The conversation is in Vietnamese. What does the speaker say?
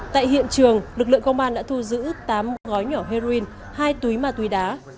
tại hiện trường lực lượng công an đã thu giữ tám gói nhỏ heroin hai túi ma túy đá